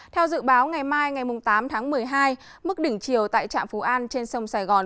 theo dự báo ngày mai ngày tám tháng một mươi hai mức đỉnh chiều tại trạm phú an trên sông sài gòn